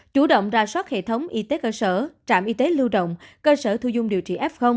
chủ động ra soát hệ thống y tế cơ sở trạm y tế lưu động cơ sở thu dung điều trị f